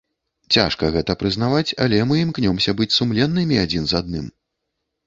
Цяжка гэта прызнаваць, але мы імкнёмся быць сумленнымі адзін з адным.